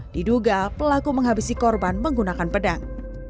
diduga pelaku menghabisi korban menggunakan pedang